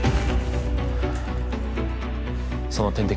その点滴